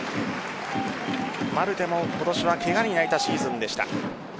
マルテも今年はケガに泣いたシーズンでした。